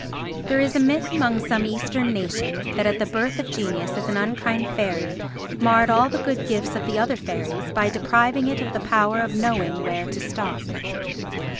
There is a myth among some Eastern nation that at the birth of Genius an unkind fairy marred all the good gifts of the other fairies by depriving it of the power of knowing where to stop.